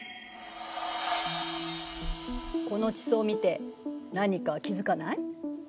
この地層を見て何か気付かない？